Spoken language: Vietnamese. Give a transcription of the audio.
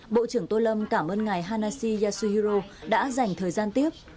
bộ trưởng tô lâm cảm ơn ngài hanashi yasuhiro đã dành thời gian tiếp